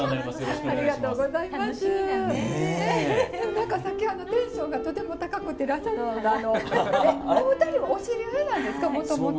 何かさっきテンションがとても高くてらっしゃるのでお二人はお知り合いなんですかもともと？